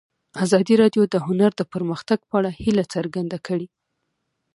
ازادي راډیو د هنر د پرمختګ په اړه هیله څرګنده کړې.